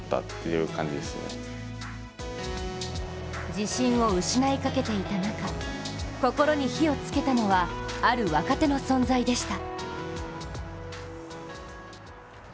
自信を失いかけていた中、心に火をつけたのはある若手の存在でした。